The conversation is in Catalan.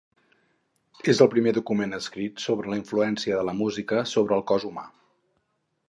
És el primer document escrit sobre la influència de la música sobre el cos humà.